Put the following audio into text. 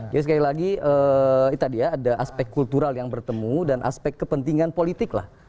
jadi sekali lagi itu tadi ya ada aspek kultural yang bertemu dan aspek kepentingan politik lah